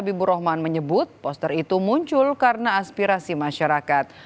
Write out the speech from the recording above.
habibur rahman menyebut poster itu muncul karena aspirasi masyarakat